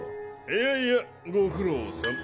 いやいやご苦労さん。